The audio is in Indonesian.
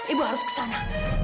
ibu harus ke sana